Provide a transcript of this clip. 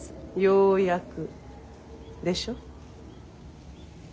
ようやくでしょう。